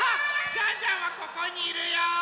ジャンジャンはここにいるよ。